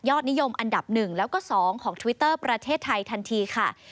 นิยมอันดับ๑แล้วก็๒ของทวิตเตอร์ประเทศไทยทันทีค่ะ